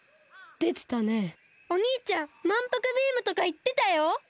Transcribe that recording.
おにいちゃん「まんぷくビーム！」とかいってたよ。